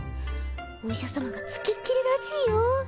お医者さまが付きっきりらしいよ。